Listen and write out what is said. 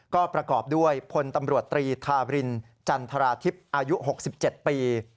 ก็ประกอบด้วยพลตำรวจตรีทาบรินจันทราทิพย์อายุ๖๗ปี